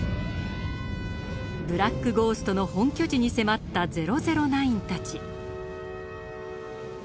ブラック・ゴーストの本拠地に迫った００９たち。